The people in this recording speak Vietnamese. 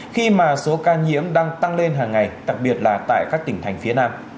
khi mà số ca nhiễm đang tăng lên hàng ngày đặc biệt là tại các tỉnh thành phía nam